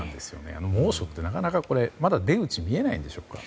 猛暑ってなかなか出口見えないんでしょうか。